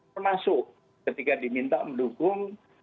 termasuk ketika diminta mendukung